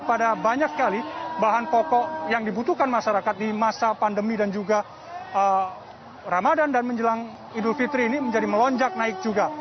pada banyak sekali bahan pokok yang dibutuhkan masyarakat di masa pandemi dan juga ramadan dan menjelang idul fitri ini menjadi melonjak naik juga